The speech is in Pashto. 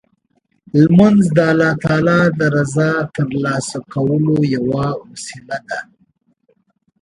لمونځ د الله تعالی د رضا ترلاسه کولو یوه وسیله ده.